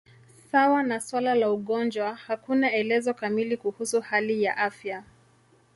Sawa na suala la ugonjwa, hakuna elezo kamili kuhusu hali ya afya.